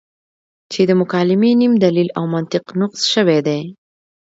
چې د مکالمې نیم دلیل او منطق نقص شوی دی.